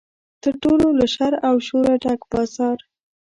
تر ټولو له شر او شوره ډک بازار.